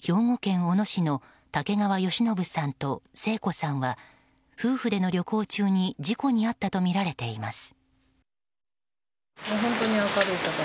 兵庫県小野市の竹川好信さんと生子さんは夫婦での旅行中に事故に遭ったとみられています。